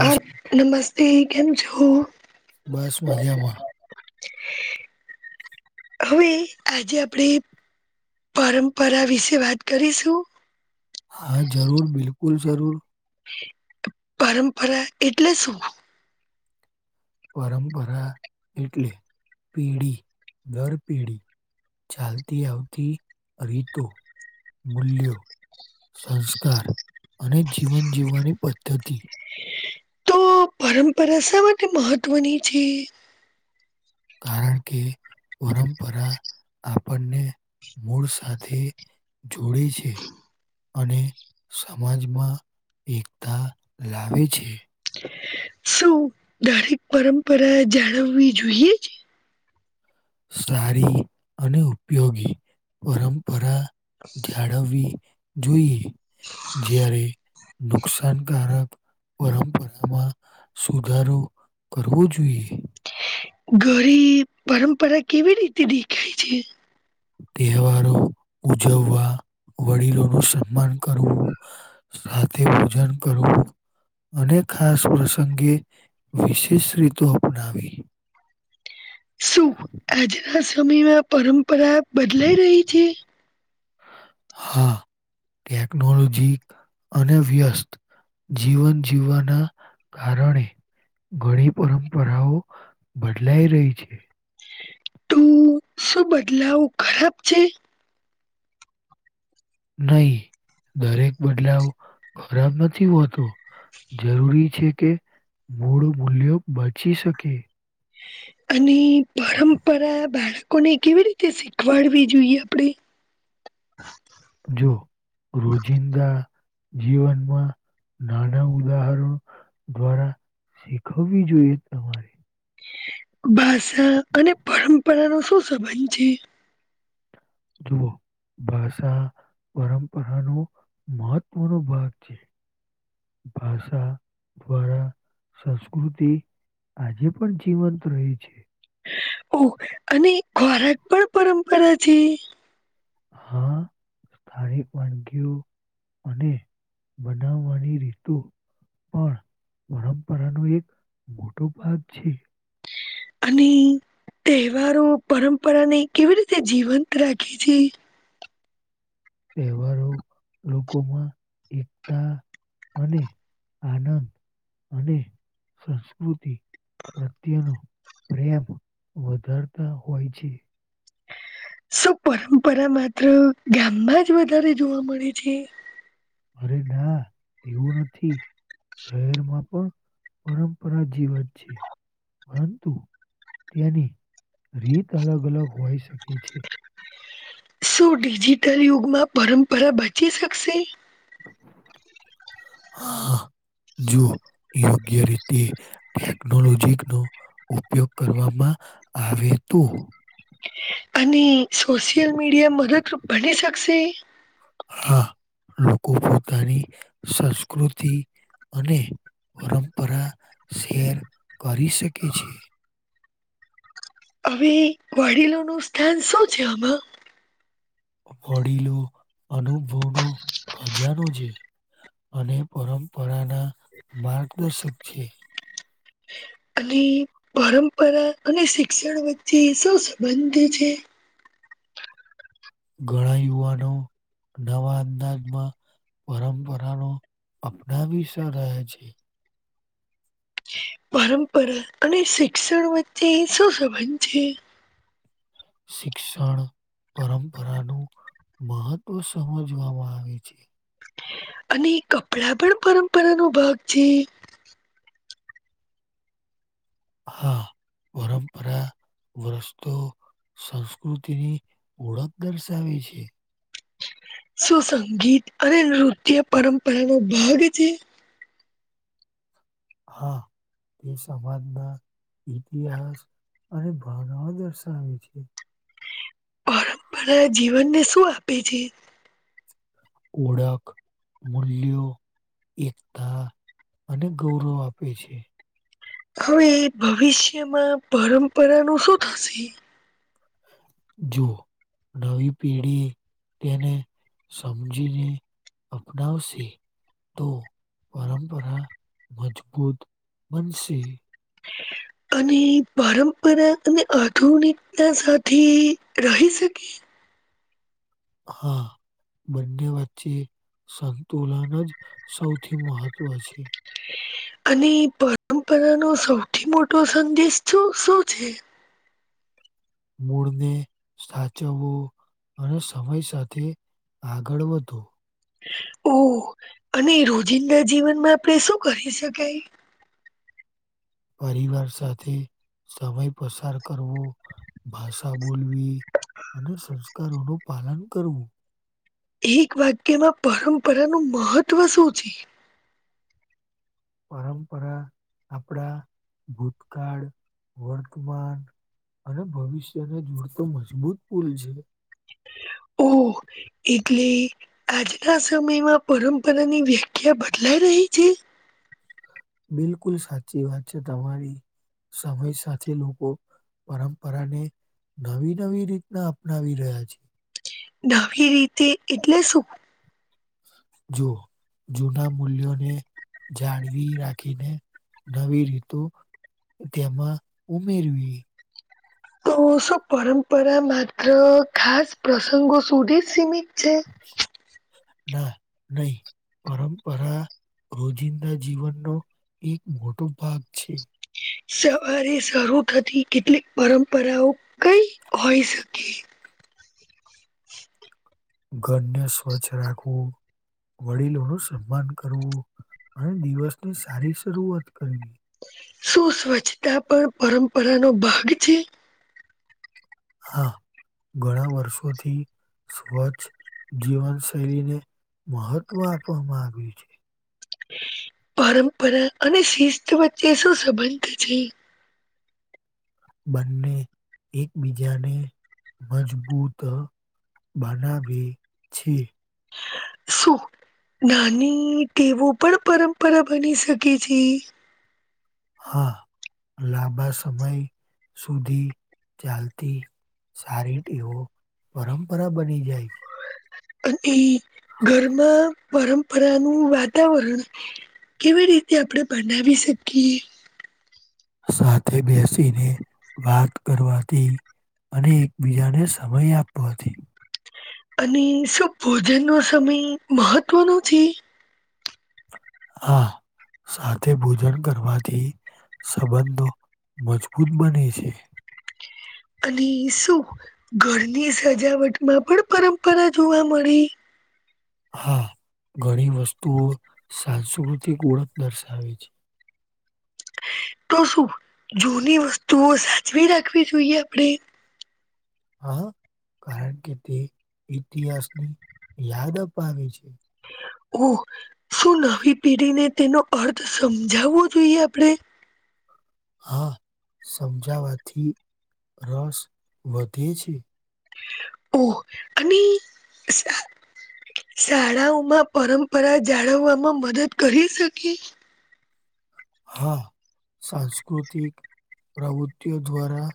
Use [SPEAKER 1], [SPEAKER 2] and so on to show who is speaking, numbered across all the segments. [SPEAKER 1] હ નમસ્તે, કેમ છો?
[SPEAKER 2] બસ, મજામાં.
[SPEAKER 1] હવે આજે આપડે પરંપરા વિશે વાત કરીસુ?
[SPEAKER 2] હા જરૂર, બિલકુલ, જરૂર
[SPEAKER 1] પરંપરા એટલે સુ?
[SPEAKER 2] પરંપરા એટલે પેઢી દર પેઢી ચાલતી આવતી રીતો, મૂલ્યો સંસ્કાર અને જીવન જીવવાની પદ્ધતિ
[SPEAKER 1] તો પરંપરા શા માટે મહત્વની છે?
[SPEAKER 2] કારણ કે પરંપરા આપણને મૂળ સાથે જોડે છે અને સમાજમાં એકતા લાવે છે
[SPEAKER 1] શું દરેક પરંપરાએ જાળવવી જોઈએ જ?
[SPEAKER 2] સારી અને ઉપયોગી પરંપરા જાળવવી જોઈએ જ્યારે નુકસાનકારક પરંપરામાં સુધારો કરવો જોઈએ
[SPEAKER 1] ઘરી પરંપરા કેવી રીતે દેખાય છે
[SPEAKER 2] તહેવારો ઉજવવા વડીલો નું સન્માન કરવું સાથે પૂજન કરવું અને ખાસ પ્રસંગે વિશેષ રીતો અપનાવી
[SPEAKER 1] શું આજના સમયમાં પરંપરા બદલાઈ રહી છે
[SPEAKER 2] હા ટેકનોલોજી અને વ્યસ્ત જીવન જીવવાના કારણે ઘણી પરંપરાઓ બદલાઈ રહી છે
[SPEAKER 1] તો શું બદલાવ ખરાબ છે?
[SPEAKER 2] નહી દરેક બદલાવ ખરાબ નથી હોતો જરૂરી છે કે મૂળ મૂલ્યો બચી શકે
[SPEAKER 1] [inaudible] અને પરંપરા બાળકોને કેવી રીતે શીખવાડવી જોઈએ આપડણે
[SPEAKER 2] જો રોજિંદા જીવનમાં નાના ઉદાહરણો દ્વારા શીખવવી જોઈએ, તમારે
[SPEAKER 1] ભાષા અને પરંપરા નો શું સંબંધ છે?
[SPEAKER 2] જુઓ, ભાષા પરંપરાનો મહત્વનો ભાગ છે. ભાષા દ્વારા સંસ્કૃતિ આજે પણ જીવંત રહી છે.
[SPEAKER 1] ઓ અને ખોરાક પણ પરંપરા છે.
[SPEAKER 2] હા સ્થાનિક વાનગીઓ, અને બનાવવાની રીત પણ પરંપરાનો એક મોટો ભાગ છે.
[SPEAKER 1] અને તહેવારો પરંપરાને કેવી રીતે જીવંત રાખે છે.
[SPEAKER 2] તહેવારો લોકોમાં એકતા અને આનંદ અને સંસ્કૃતિ પ્રત્યેનો પ્રેમ વધારતા હોય છે.
[SPEAKER 1] [inaudible] શું પરંપરા માત્ર ગામમાં જ વધારે જોવા મળે છે.
[SPEAKER 2] અરે ના એવું નથી. શહેરમા પણ પરંપરા જીવન છે. પરંતુ તેની રીત અલગ અલગ હોઈ શકે છે.
[SPEAKER 1] શું ડિજિટલ યુગમાં પરંપરા બચી શકશે
[SPEAKER 2] જો યોગ્ય રીતે ટેકનોલોજી નો ઉપયોગ કરવામાં આવે તો
[SPEAKER 1] અને સોશિયલ મીડિયા મદદરૂપ બની શકશે!
[SPEAKER 2] હા લોકો પોતાની સંસ્કૃતિ અને પરંપરા શેર કરી શકે છે.
[SPEAKER 1] હવે, વાડીલોનુ સ્થાન શું છે, આમા
[SPEAKER 2] વડીલો, અનુભવનોો ખજાનો છે. અને પરંપરાના માર્ગદર્શક છે.
[SPEAKER 1] અને પરંપરા અને શિક્ષણ વચ્ચે, સૌ સંબંધી છે.
[SPEAKER 2] ઘણા, યુવાનો નવા અંદાજમાં પરંપરા ન અપનાવી, શ રહે છે.
[SPEAKER 1] પરંપરા અને શિક્ષણ વચ્ચે શું સંબંધ છે.
[SPEAKER 2] શિક્ષણ પરંપરાનું મહત્વ સમજવામાં આવે છે.
[SPEAKER 1] અને કપડા પણ પરંપરા ન ભાગ છે.
[SPEAKER 2] હા પરરા
[SPEAKER 1] [unintelligible]
[SPEAKER 2] વ્રસ્તો સંસ્કૃતિની ઓળખ દર્શાવે છે.
[SPEAKER 1] સુુંસંગીત અને નૃત્ય પરંપરાનો ભાગ છે.
[SPEAKER 2] હા, તે સમાજના ઇતિહાસ અને ભાવના દર્શાવે છે.
[SPEAKER 1] પરંપરા જીવનને શું આપે છે?
[SPEAKER 2] ઓળખ મુૂ્યો એકતા અને ગૌરવ આપે છે
[SPEAKER 1] હવે ભવિષ્યમાં પરંપરાનું શું થશે
[SPEAKER 2] જુઓ નવી પેઢી તેને સમજીને અપનાવશે તો પરંપરા મજબૂત બનશે
[SPEAKER 1] [inaudible] અને પરંપરા અને આધુનિકતા સાથે રહી શકે
[SPEAKER 2] હા બંને વચ્ચે સંતુલન જ સૌથી મહત્વ છે
[SPEAKER 1] અને પરંપરાનો સૌથી મોટો સંદેશ છું શું છે
[SPEAKER 2] મૂળને સાચવવું અને સમય સાથે આગળ વધો
[SPEAKER 1] ઓ અને રોજિંદા જીવનમાં આપણે શું કરી શકાય
[SPEAKER 2] પરિવાર સાથે સમય પસાર કરવો ભાષા બોલવી અને સંસ્કારોનું પાલન કરવું
[SPEAKER 1] એક વાક્યમાં પરંપરાનું મહત્વ શું છે
[SPEAKER 2] પરંપરા આપણા ભૂતકાળ વર્તમાન અને ભવિષ્યને જોડતો મજબૂત પુલ છે
[SPEAKER 1] ઓ એટલે આજના સમયમાં પરંપરાની વ્યાખ્યા બદલાય હ રહી છે
[SPEAKER 2] બિલકુલ સાચી વાત છે તમારી સમય સાથે લોકો પરંપરાને નવી નવી રીતના અપનાવી રહ્યા છે
[SPEAKER 1] નવી રીતે એટલે શું
[SPEAKER 2] જુવો જૂના મૂલ્યોને જાળવી રાખીને નવી રીતુ તેમાં ઉમેરવી
[SPEAKER 1] તો શું પરંપરા માત્ર ખાસ પ્રસંગો સુધી જ સીમિત છે
[SPEAKER 2] ના નહી પરંપરા રોજિંદા જીવનનો એક મોટો ભાગ છે
[SPEAKER 1] સવારે શરૂ થતી કેટલીક પરંપરાઓ કઈ હોઈ શકે
[SPEAKER 2] ઘરને સ્વચ્છ રાખવું વડીલોનું સન્માન કરવું અને દિવસની સારી શરૂઆત કરવી
[SPEAKER 1] શું સ્વચ્છતા પણ પરંપરાનો ભાગ છે
[SPEAKER 2] હા ઘણા વર્ષોથી સ્વચ્છ જીવનશૈલીને મહત્વ આપવામાં આવ્યું છે
[SPEAKER 1] પરંપરા અને શિસ્ત વચ્ચે શું સંબંધ છે
[SPEAKER 2] બંને એકબીજાને મજબૂત બનાવે છે
[SPEAKER 1] શું નાની તેવું પણ પરંપરા બની શકે છે
[SPEAKER 2] હા લાંબા સમય સુધી ચાલતી સારી ટેવો પરંપરા બની જાય છે
[SPEAKER 1] અને ઘરમાં પરંપરાનું વાતાવરણ કેવી રીતે આપણે બનાવી શકીએ
[SPEAKER 2] સાથે બેસીને વાત કરવાથી અને એકબીજાને સમય આપવાથી
[SPEAKER 1] અને શું ભોજનનો સમય મહત્વનો છે
[SPEAKER 2] હા સાથે ભોજન કરવાથી સંબંધો મજબૂત બને છે.
[SPEAKER 1] અને શું ઘરની સજાવટમાં પણ પરંપરા જોવા મળે
[SPEAKER 2] હા ઘણી વસ્તુઓ સાંસ્કૃતિક ઓળખ દર્શાવે છે.
[SPEAKER 1] તો શું જૂની વસ્તુઓ સાચવી રાખવી જોઈએ આપણે
[SPEAKER 2] હા કારણ કે તે ઇતિહાસની યાદ અપાવે છે.
[SPEAKER 1] ઓ શું નવી પેઢીને તેનો અર્થ સમજાવવો જોઈએ આપણેે.
[SPEAKER 2] હા સમજાવાથી રસ વધે છે.
[SPEAKER 1] ઓહ અને શાળાઓમાં પરંપરા જાળવવામાં મદદ કરી શકી.
[SPEAKER 2] હા સાંસ્કૃતિક પ્રવૃતિઓ દ્વારા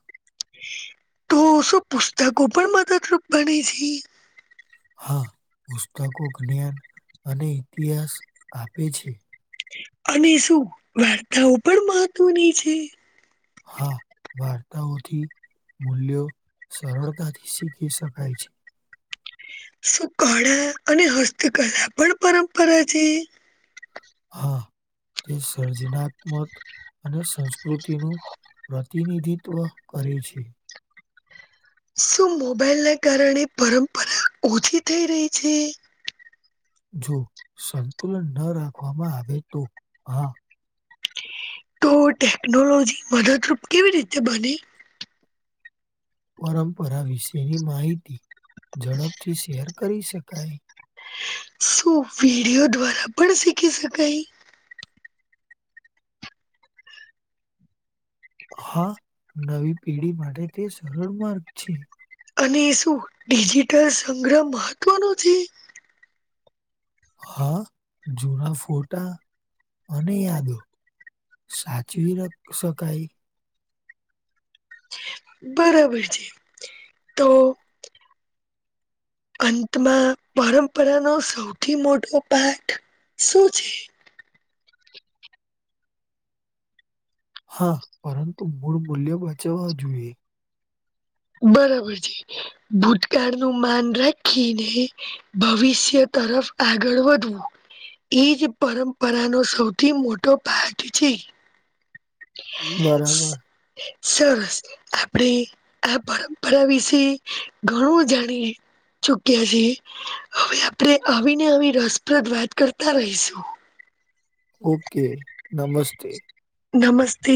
[SPEAKER 1] તો શું પુસ્તકો પણ મદદરૂપ બને છે
[SPEAKER 2] હા પુસ્તકો જ્ઞાન અને ઇતિહાસ આપે છે.
[SPEAKER 1] અને શું વાર્તાઓ પણ મહત્વની છે?
[SPEAKER 2] હા વાર્તાઓ થી મૂલ્યો સરળતાથી શીખી શકાય છે.
[SPEAKER 1] શું કળા અને હસ્તકળા પણ પરંપરા છે?
[SPEAKER 2] હા, તે સર્જનાત્મક અને સંસ્કૃતિનું પ્રતિનિધિત્વ કરે છે.
[SPEAKER 1] શું મોબાઈલના કારણે પરંપરા ઓછી થઈ રહી છે
[SPEAKER 2] જો સંતુલન ન રાખવામાં આવે તો હા
[SPEAKER 1] તો ટેકનોલોજી મદદરૂપ કેવી રીતે બને
[SPEAKER 2] પરંપરા વિશેની માહિતી ઝડપથી શેર કરી શકાય.
[SPEAKER 1] શું વિડિયો દ્વારા પણ શીખી શકાય
[SPEAKER 2] હા નવી પેઢી માટે તે સરળ માર્ગ છે.
[SPEAKER 1] અને શું ડિજિટલ સંગ્રહ મહત્વનો છે
[SPEAKER 2] હા જૂના ફોટા અને યાદો સાચવી રખ શકાય.
[SPEAKER 1] બરાબર છે તો અંતમાં પરંપરાનો સૌથી મોટો પાઠ શું છે
[SPEAKER 2] હા પરંતુ મૂળ મૂલ્ય બચાવવા જોઈએ.
[SPEAKER 1] બરાબર છે ભૂતકાળ નું માન રાખીને ભવિષ્ય તરફ આગળ વધવું એ જ પરંપરાનો સૌથી મોટો પાારઠ છે.
[SPEAKER 2] બરાબર,
[SPEAKER 1] સરસ આપણેે આ પરંપરા વિશે ઘણું જાણીએ ચુક્યા છે હવે આપણે આવીને આવી રસપ્રદ વાત કરતા રહીશું.
[SPEAKER 2] ઓકે નમસ્તે
[SPEAKER 1] નમસ્તે